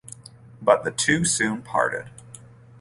But the two soon parted.